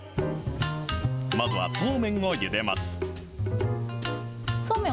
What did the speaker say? まずはそうめんをゆでます。